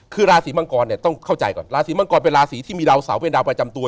คือราศีมังกรเนี่ยต้องเข้าใจก่อนราศีมังกรเป็นราศีที่มีดาวเสาเป็นดาวประจำตัว